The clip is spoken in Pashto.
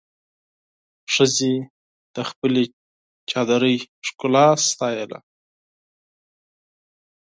ښځې د خپلې چادري ښکلا ستایله.